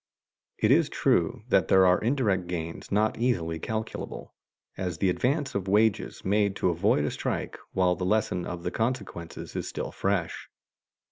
It is true that there are indirect gains not easily calculable, as the advance of wages made to avoid a strike while the lesson of the consequences is still fresh.